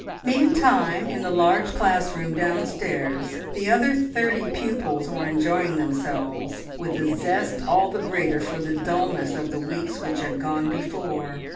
Meantime, in the large classroom downstairs the other thirty pupils were enjoying themselves with a zest all the greater for the dullness of the weeks which had gone before.